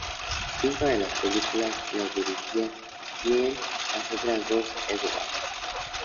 Cinco de las películas, las dirigiría Quine; las otras dos, Edwards.